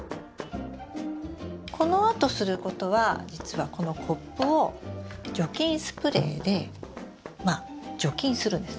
このあとすることは実はこのコップを除菌スプレーで除菌するんです。